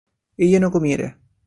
ella no comiera